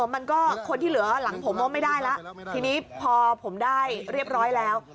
มันก็คนที่เหลือหลังผมว่าไม่ได้แล้วทีนี้พอผมได้เรียบร้อยแล้ว